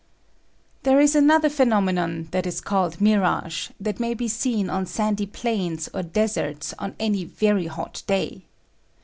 There is another phenomenon that is called mirage, that may be seen on sandy plains or deserts on any very hot day.